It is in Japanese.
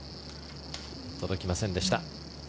届きませんでした。